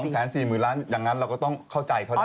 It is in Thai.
ถ้าเป็น๒๔๐๐๐๐ล้านอย่างนั้นเราก็ต้องเข้าใจเข้าใด